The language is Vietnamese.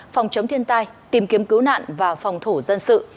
phòng chống thiên tai tìm kiếm cứu nạn và phòng thủ dân sự